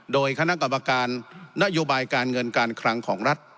โดยคณะกรรมการนโยบายการเงินการคลังของรัฐ